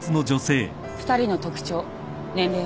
２人の特徴年齢は？